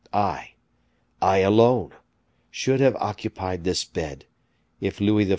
I, I alone, should have occupied this bed, if Louis XIV.